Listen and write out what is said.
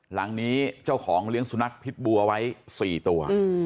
หลังนี้เจ้าของเลี้ยงสุนัขพิษบัวไว้๔ตัว